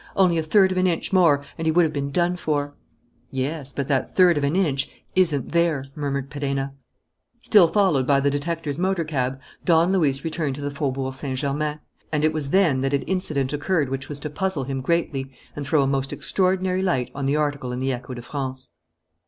Only a third of an inch more, and he would have been done for." "Yes, but that third of an inch isn't there," murmured Perenna. Still followed by the detectives' motor cab, Don Luis returned to the Faubourg Saint Germain; and it was then that an incident occurred which was to puzzle him greatly and throw a most extraordinary light on the article in the Echo de France.